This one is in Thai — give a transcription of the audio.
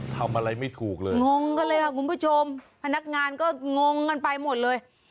ทำอะไรไม่ถูกเลยงงกันเลยค่ะคุณผู้ชมพนักงานก็งงกันไปหมดเลย